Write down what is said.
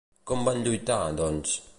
Com van lluitar, doncs?